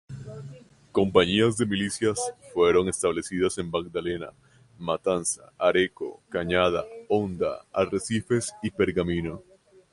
Compañías de milicias fueron establecidas en Magdalena, Matanza, Areco, Cañada Honda, Arrecifes y Pergamino.